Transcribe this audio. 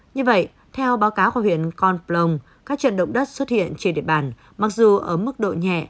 như vậy theo báo cáo của huyện con plong các trận động đất xuất hiện trên địa bàn mặc dù ở mức độ nhẹ